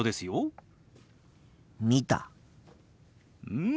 うん！